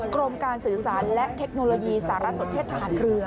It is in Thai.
กรมการสื่อสารและเทคโนโลยีสารสนเทศทหารเรือ